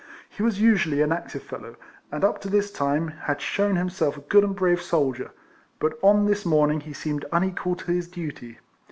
He was usually an active fellow, and up to this time had shewn himself a good and brave soldier, but on this morning he seemed unequal to his duty.